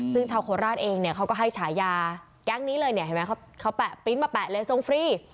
ซึ่งชาวโคนราชเองเขาก็ให้ฉายาแก๊งนี้เลยเขาแปะปริ้นต์มาแปะเลยส่งฟรี